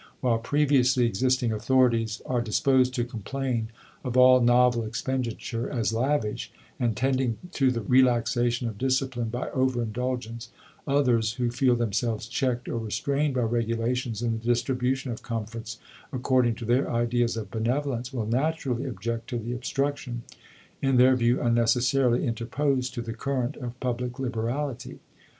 While previously existing authorities are disposed to complain of all novel expenditure as lavish, and tending to the relaxation of discipline by over indulgence, others, who feel themselves checked or restrained by regulations in the distribution of comforts according to their ideas of benevolence, will naturally object to the obstruction, in their view unnecessarily, interposed to the current of public liberality.